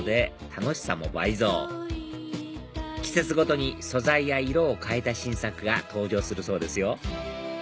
楽しさも倍増季節ごとに素材や色を変えた新作が登場するそうですよ